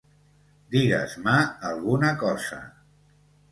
Digues-me alguna cosa.